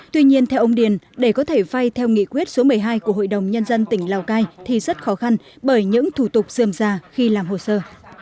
tuy nhiên theo ông điền để có thể vay theo nghị quyết số một mươi hai của hội đồng nhân dân tỉnh lào cai thì rất khó khăn bởi những thủ tục dườm ra khi làm hồ sơ